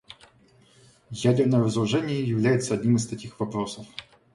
Ядерное разоружение является одним из таких вопросов.